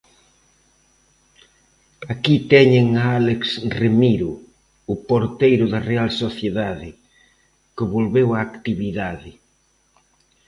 Aquí teñen a Álex Remiro, o porteiro da Real Sociedade, que volveu á actividade.